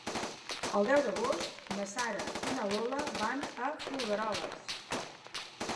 El deu d'agost na Sara i na Lola van a Folgueroles.